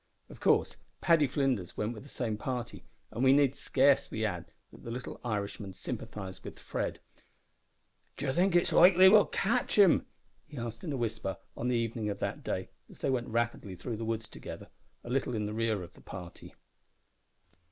Of course Paddy Flinders went with the same party, and we need scarcely add that the little Irishman sympathised with Fred. "D'ee think it's likely we'll cotch 'im?" he asked, in a whisper, on the evening of that day, as they went rapidly through the woods together, a little in rear of their party.